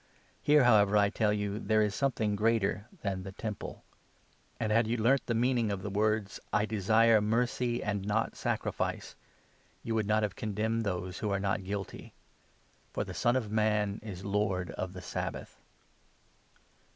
Here, however, I tell you, there is 6 something greater than the Temple ! And had vou learnt the 7 meaning of the words —' I desire mercy, and not sacrifice,' you would not have condemned those who are not guilty. For the Son of Man is lord of the Sabbath."